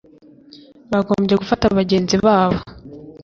bagombye gufata bagenzi babo